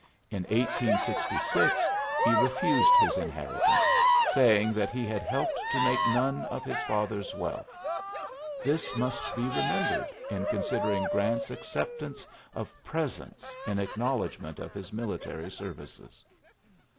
In 1 he refdsed his inheritance^ saying t he had helped to make none of faither's wealth. This must be remi bered in considering Grant's accepta of presents in acknowledgment of military services.